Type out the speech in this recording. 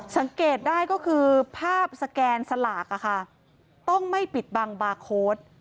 สังเกตได้ก็คือภาพสแกนสลากต้องไม่ปิดบังบาร์โค้ด